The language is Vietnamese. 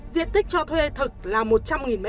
diện tích cho thuê thực là một trăm linh m hai